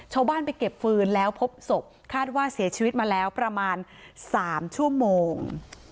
ชาวบ้านไปเก็บฟืนแล้วพบศพคาดว่าเสียชีวิตมาแล้วประมาณ๓ชั่วโมง